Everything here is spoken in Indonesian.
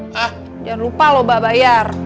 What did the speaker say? jangan lupa lo mbah bayar